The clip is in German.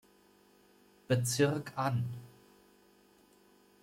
Bezirk an.